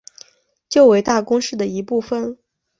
旧为大宫市的一部分。